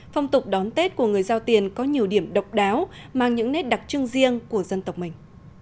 phong tục đón tết của người giao tiền có nhiều điểm độc đáo mang những nét đặc trưng riêng của dân tộc mình